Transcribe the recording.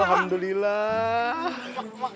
ngapain dia dikasih duit mak